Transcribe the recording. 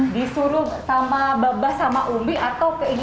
disuruh sama babah sama umbi atau keinginan